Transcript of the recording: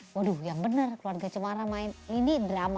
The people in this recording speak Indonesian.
waduh yang benar keluarga cemara main ini drama